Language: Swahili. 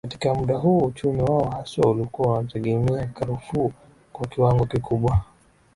Katika muda huu uchumi wao haswa ulikuwa unategemea karufuu kwa kiwango kikubwa